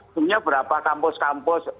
sebenarnya berapa kampus kampus